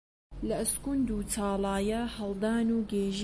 لە ئەسکوند و چاڵایە هەڵدان و گێژی